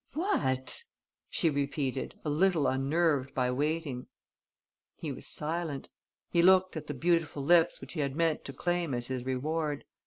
"What?" she repeated, a little unnerved by waiting. He was silent. He looked at the beautiful lips which he had meant to claim as his reward.